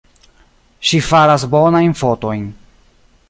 Ŝi faras bonajn fotojn.